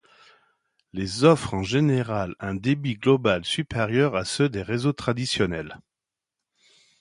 Les offrent en général un débit global supérieur à ceux des réseaux traditionnels.